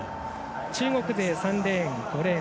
中国勢、３レーン、５レーン。